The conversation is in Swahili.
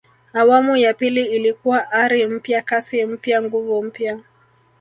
awamu ya pili ilikuwa ari mpya kasi mpya nguvu mpya